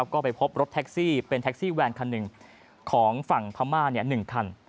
ก็ไปพบรถแท็กซี่เป็นแท็กซี่แวนคันหนึ่งของฝั่งพม่า๑คัน